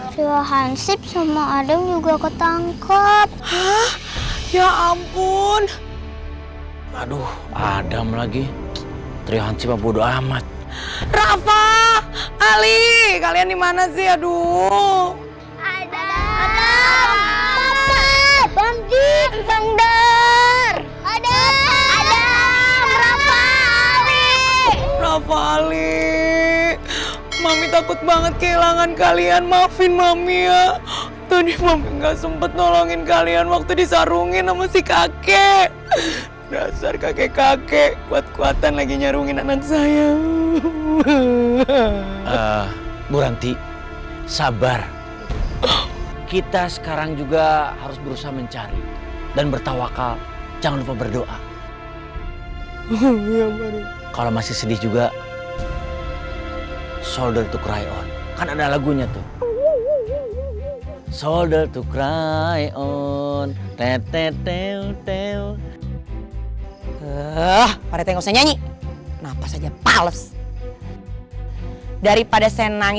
tuhan sip semua ada juga ketangkap ya ampun aduh adam lagi teriaknya bodo amat rafa ali kalian